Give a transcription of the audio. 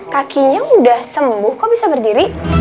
kakinya udah sembuh kok bisa berdiri